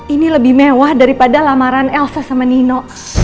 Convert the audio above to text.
ini lebih mewah daripada lamaran elsa sama nino